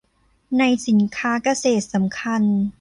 ในสินค้าเกษตรสำคัญ